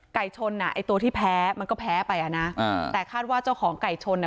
ชนอ่ะไอ้ตัวที่แพ้มันก็แพ้ไปอ่ะนะอ่าแต่คาดว่าเจ้าของไก่ชนอ่ะ